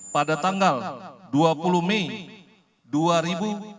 pada tanggal dua puluh mei dua ribu dua puluh